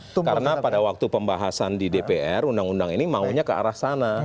karena pada waktu pembahasan di dpr undang undang ini maunya ke arah sana